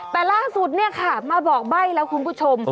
แต่ล่าสุดเนี่ยค่ะมาบอกใบ้แล้วคุณผู้ชม